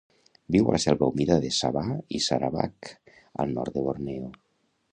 Viu a la selva humida de Sabah i Sarawak, al nord de Borneo.